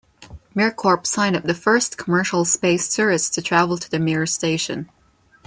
MirCorp signed up the first commercial space tourist to travel to the Mir station.